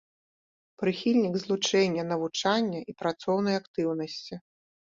Прыхільнік злучэння навучання і працоўнай актыўнасці.